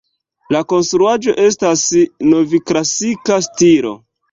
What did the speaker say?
La konstruaĵo estas novklasika stilo.